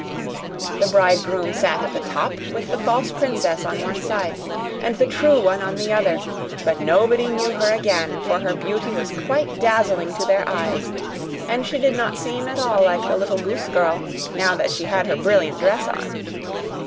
The bridegroom sat at the top, with the false princess on one side, and the true one on the other; but nobody knew her again, for her beauty was quite dazzling to their eyes; and she did not seem at all like the little goose girl, now that she had her brilliant dress on.